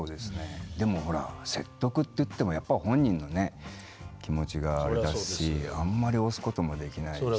でもほら説得って言ってもやっぱり本人の気持ちがあれだしあんまり押すこともできないし。